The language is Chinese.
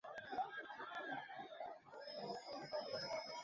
外滩也是国际金融资本在中国的大本营。